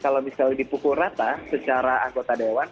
kalau misalnya dipukul rata secara anggota dewan